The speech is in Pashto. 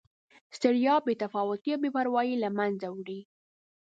ستړیا، بې تفاوتي او بې پروایي له مینځه وړي.